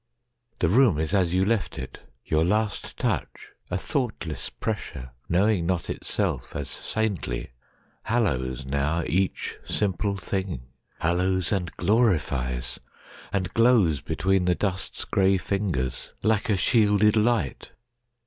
—The room is as you left it; your last touch—A thoughtless pressure, knowing not itselfAs saintly—hallows now each simple thing; Hallows and glorifies, and glows betweenThe dust's grey fingers like a shielded light.